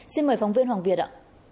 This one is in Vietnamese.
xin mời phóng viên hoàng việt ạ